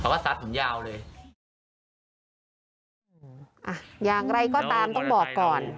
ว่าซัดผมยาวเลยอ่ะอย่างไรก็ตามต้องบอกก่อน